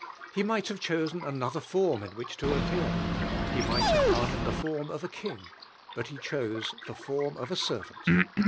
He might have chosen another form in which to ap pear; He might have come in the form of a king, but He chose the form of a servant.